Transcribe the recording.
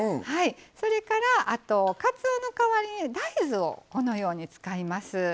それから、あとかつおの代わりに大豆をこのように使います。